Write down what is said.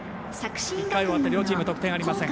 １回終わって両チーム得点ありません。